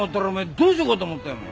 どうするのかと思ったよ。